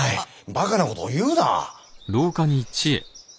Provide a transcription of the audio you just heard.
ばかなことを言うな！